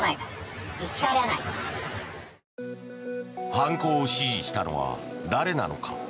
犯行を指示したのは誰なのか。